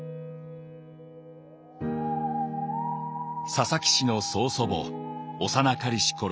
「佐々木氏の曾祖母穉かりしころ